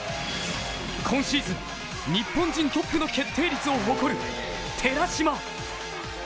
今シーズン、日本人トップの決定率を誇る、寺嶋。